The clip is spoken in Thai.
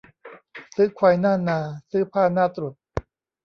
ซื้อควายหน้านา ซื้อผ้าหน้าตรุษ